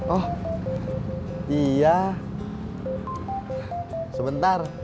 oh iya sebentar